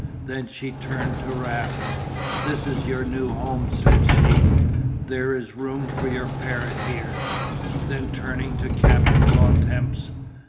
Then she turned to Raft. "This is your new home," said she, "there is room for your parrot here." Then turning to Captain Bontemps.